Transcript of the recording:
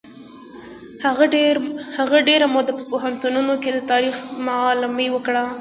هغه ډېره موده په پوهنتونونو کې د تاریخ معلمي وکړه.